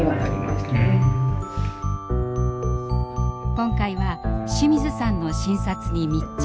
今回は清水さんの診察に密着。